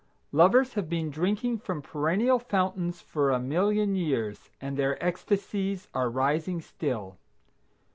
Lovers have been drinking from perennial fountains for a million years, and their ecstacies are rising still.